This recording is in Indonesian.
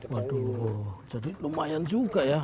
waduh jadi lumayan juga ya